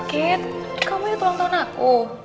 kate kamu ingat ulang tahun aku